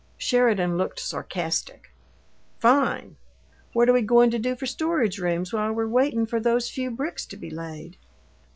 Sheridan looked sarcastic. "Fine! What we goin' to do for storage rooms while we're waitin' for those few bricks to be laid?"